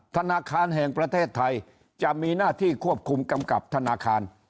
ธนาคารแห่งประเทศไทยจะมีหน้าที่ควบคุมกำกับธนาคาร